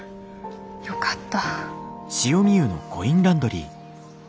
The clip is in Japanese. よかった。